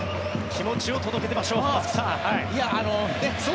気持ちを届けていきましょう。